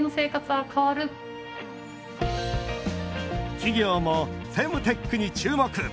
企業もフェムテックに注目。